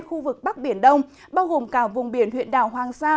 khu vực bắc biển đông bao gồm cả vùng biển huyện đảo hoàng sa